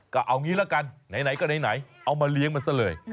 ก็เอางี้ละกันไหนก็ไหนเอามาเลี้ยงมันซะเลย